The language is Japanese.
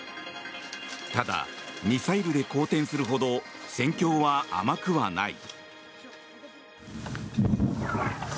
ただ、ミサイルで好転するほど戦況は甘くはない。